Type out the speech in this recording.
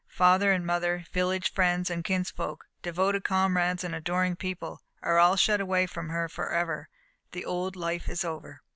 Father and mother, village friends and kinsfolk, devoted comrades and adoring people, are all shut away from her for ever. The old life is over.